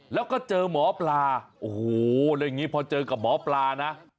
แล้วก็เจอหมอปลาโอ้โหแล้วอย่างนี้พอเจอกับหมอปลานะ